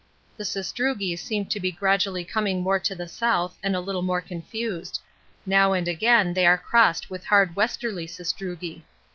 The sastrugi seem to be gradually coming more to the south and a little more confused; now and again they are crossed with hard westerly sastrugi.